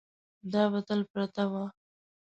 دا به تل پرته وه.